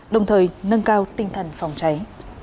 đồng thời nâng cao tinh thần phòng cháy